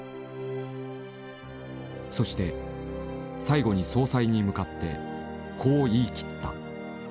そして最後に総裁に向かってこう言い切った。